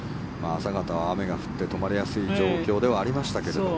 朝方は雨が降って止まりやすい状況ではありましたけど。